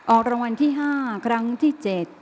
ออกรางวัลที่๕ครั้งที่๗